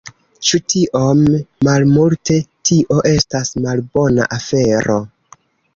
Ĉu tiom malmulte... tio estas malbona afero